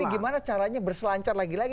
gimana caranya berselancar lagi lagi